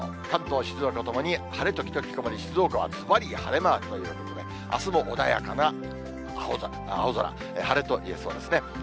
関東、静岡ともに晴れ時々曇り、静岡は、ずばり晴れマークということで、あすも穏やかな青空、晴れといえそうですね。